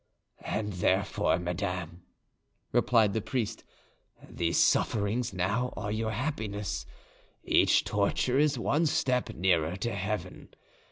"And therefore, madame," replied the priest, "these sufferings now are your happiness; each torture is one step nearer to heaven.